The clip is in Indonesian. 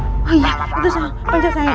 oh iya itu soal pencet sayangnya